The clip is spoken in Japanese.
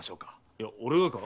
いや俺がか？